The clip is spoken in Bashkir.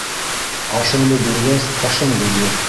Ашыңды биргәс, ҡашыңды бир.